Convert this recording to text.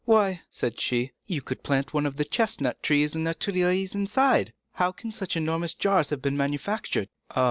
"Why," said she, "you could plant one of the chestnut trees in the Tuileries inside! How can such enormous jars have been manufactured?" "Ah!